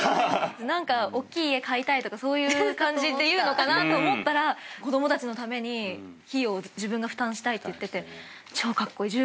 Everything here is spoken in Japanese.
何かおっきい家買いたいとかそういう感じで言うのかなと思ったら子供たちのために費用を自分が負担したいって言ってて超カッコイイ。